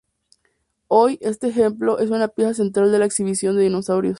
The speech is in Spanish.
Hoy, este ejemplo, es una pieza central de la exhibición de dinosaurios.